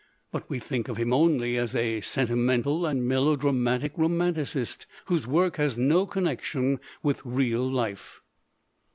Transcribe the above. But we think of him only as a sentimental and melodramatic romanticist whose work has no connection with real life.